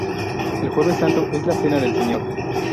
El Jueves Santo es la Cena del Señor.